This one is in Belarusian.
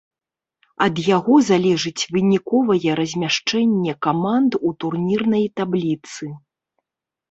Ад яго залежыць выніковае размяшчэнне каманд у турнірнай табліцы.